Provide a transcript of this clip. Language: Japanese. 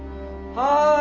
・はい。